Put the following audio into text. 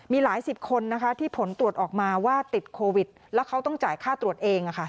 มีหลายสิบคนนะคะที่ผลตรวจออกมาว่าติดโควิดแล้วเขาต้องจ่ายค่าตรวจเอง